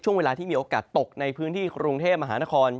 ช่วงเวลาที่มีโอกาสตกในพื้นที่กรุงเทพมหานคร